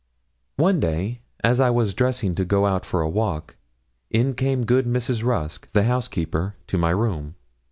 One day, as I was dressing to go out for a walk, in came good Mrs. Rusk, the housekeeper, to my room.